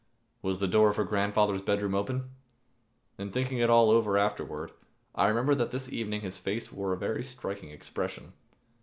Was the door of her grandfather's bedroom open? In thinking it all over afterward, I remember that this evening his face wore a very striking expression.